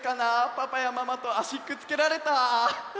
パパやママとあしくっつけられた？